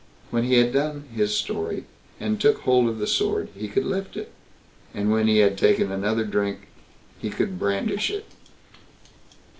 When he had done his story, and took hold of the sword, he could lift it; and when he had taken another drink, he could brandish it.